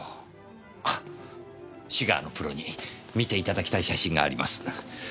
あっシガーのプロに見ていただきたい写真があります。